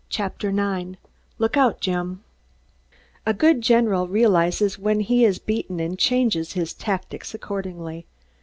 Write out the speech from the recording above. CHAPTER NINE LOOK OUT, JIM A good general realizes when he is beaten and changes his tactics accordingly.